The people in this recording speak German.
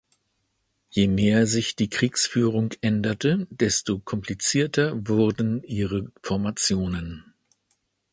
Je mehr sich die Kriegsführung änderte, desto komplizierter wurden ihre Formationen.